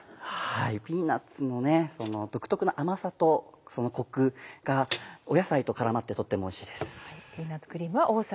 ピーナッツの独特の甘さとコクが野菜と絡まってとってもおいしいです。